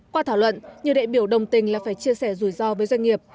qua thảo luận nhiều đại biểu đồng tình là phải chia sẻ rủi ro với doanh nghiệp